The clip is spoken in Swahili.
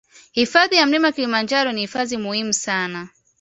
Hifadhi ya mlima kilimanjaro ni hifadhi muhimu sana